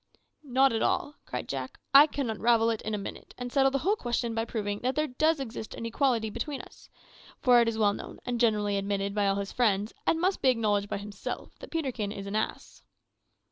"Not at all," cried Jack; "I can unravel it in a minute, and settle the whole question by proving that there does exist an equality between us; for it is well known, and generally admitted by all his friends, and must be acknowledged by himself, that Peterkin is an ass."